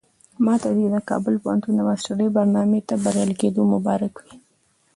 ماته دې د کابل پوهنتون د ماسترۍ برنامې ته بریالي کېدل مبارک وي.